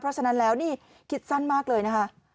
เพราะฉะนั้นแล้วนี่คิดสั้นมากเลยนะคะ